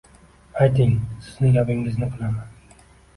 Ayting, sizning gapingizni qilaman